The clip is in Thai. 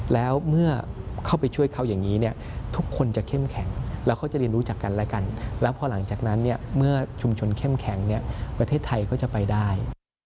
แล้วพอหลังจากนั้นเนี่ยเมื่อชุมชนเข้มแข็งเนี่ยประเทศไทยก็จะไปได้